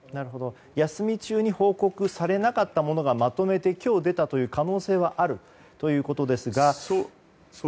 休み中に報告されなかったものがまとめて今日出た可能性があるということですが。